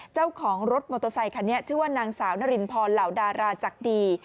เจ้าของรถมอเตอร์ไซคันนี้ชื่อว่านางสาวนารินพรเหล่าดาราจักรี